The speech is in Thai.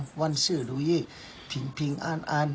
สวัสดีครับทุกคน